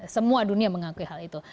semua dunia mengakui hal itu